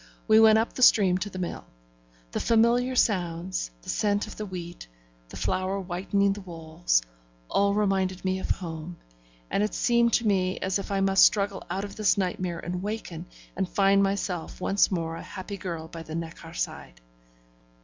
We went up the stream to the mill. The familiar sounds, the scent of the wheat, the flour whitening the walls all reminded me of home, and it seemed to me as if I must struggle out of this nightmare and waken, and find myself once more a happy girl by the Neckar side.